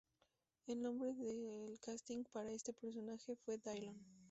El nombre del casting para este personaje fue Dillon.